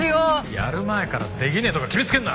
やる前からできねえとか決めつけんな！